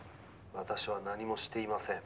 「私は何もしていません」